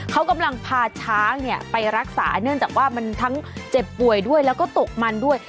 เขากำลังพาช้างไปรักษาเนื่องจากว่ามันทั้งเจ็บป่วยด้วยแล้วก็ตกมันด้วย